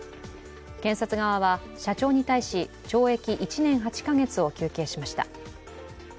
検察側は社長に対し懲役１年８カ月を求刑しました。